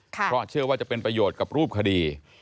เพราะเชื่อว่าจะเป็นประโยชน์กับรูปคดี